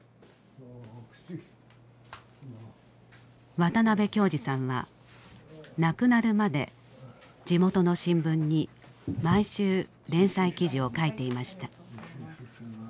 渡辺京二さんは亡くなるまで地元の新聞に毎週連載記事を書いていました。